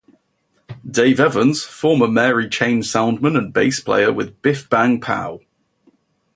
Dave Evans, former Mary Chain soundman and bass player with Biff Bang Pow!